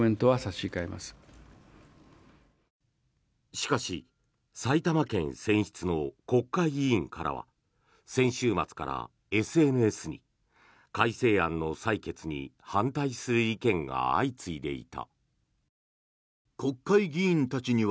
しかし埼玉県選出の国会議員からは先週末からＳＮＳに改正案の採決に反対する意見が相次いでいた。